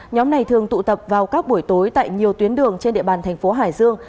nhóm này thường tụ tập vào các buổi tối tại nhiều tuyến đường trên địa bàn thành phố hải dương